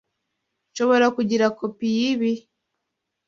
Nshobora kugira kopi yibi?